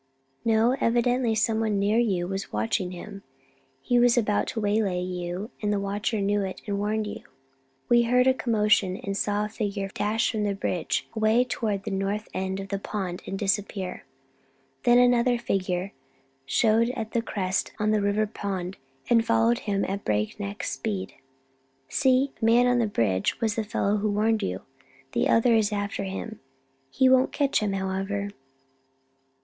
"No, evidently someone near you was watching him; he was about to waylay you, and the watcher knew it and warned you." We heard a commotion and saw a figure dash from the bridge, away toward the north end of the pond, and disappear. Then another figure showed at the crest on the River Road and followed him at breakneck speed. "See the man on the bridge was the fellow who warned you. The other is after him. He won't catch him, however."